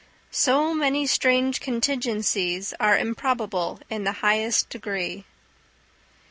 So many strange contingencies are improbable in the highest degree.